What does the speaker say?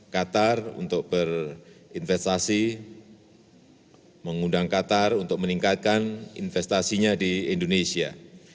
qatar untuk berinvestasi mengundang qatar untuk meningkatkan investasinya di indonesia